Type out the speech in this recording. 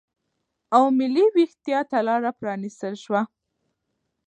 او ملي وېښتیا ته لاره پرا نستل شوه